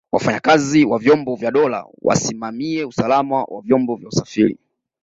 wafanyakazi wa vyombo vya dola wasimamie usalama wa vyombo vya usafiri